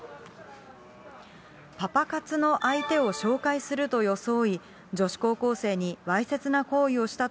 パパ活の相手を紹介すると装い女子高校生にわいせつな行為をした